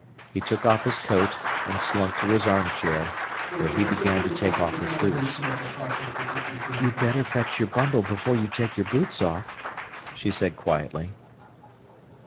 He took off his coat, and slunk to his armchair, where he began to take off his boots. "You'd better fetch your bundle before you take your boots off," she said quietly.